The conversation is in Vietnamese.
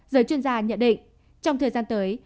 giới chuyên gia nhận định trong thời gian tới